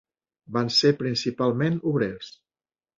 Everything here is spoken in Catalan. Van ser principalment obrers.